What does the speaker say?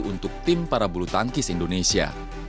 untuk tim para bulu tangkis indonesia